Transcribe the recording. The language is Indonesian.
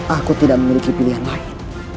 aku tidak memiliki pilihan lain